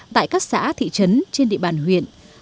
tại các xã thị trấn trên địa bàn huyện